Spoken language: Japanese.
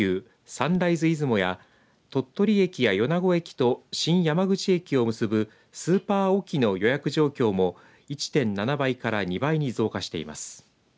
サンライズ出雲や鳥取駅や米子駅と新山口駅を結ぶスーパーおきの予約状況も１．７倍から２倍に増加しています。